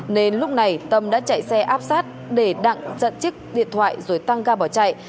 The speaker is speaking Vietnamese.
nên lúc này tâm đã chạy xe áp sát để đặng giật chiếc điện thoại rồi tăng ga bỏ chạy